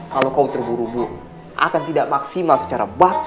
kalau kau terburu buru akan tidak maksimal secara bat